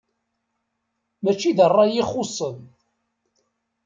Mačči d ṛṛay i xuṣṣen.